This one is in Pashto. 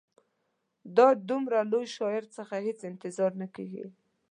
دا د دومره لوی شاعر څخه هېڅ انتظار نه کیږي.